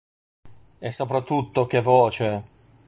E soprattutto che voce!